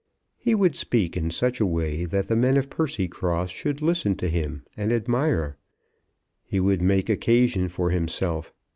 He would speak in such a way that the men of Percycross should listen to him and admire. He would make occasion for himself.